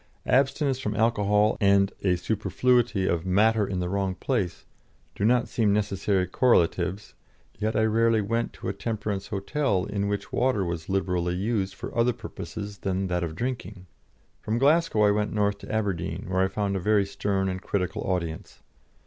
Abstinence from alcohol and a superfluity of "matter in the wrong place" do not seem necessary correlatives, yet I rarely went to a temperance hotel in which water was liberally used for other purposes than that of drinking. From Glasgow I went north to Aberdeen, where I found a very stern and critical audience.